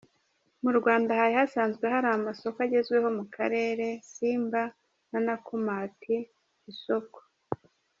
Mu Rwanda hari hasanzwe hari amasoko agezweho mu kerere, Simba na Nakumatt, isoko .